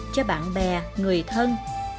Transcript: cho bạn bè người thân